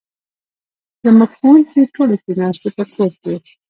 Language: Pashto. زموږ ښوونکې ټولې کښېناستي په کور کې